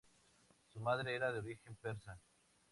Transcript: Su madre era de origen persa.